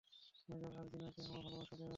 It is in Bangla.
মেজর আর জিনাকে আমার ভালোবাসা দেবে?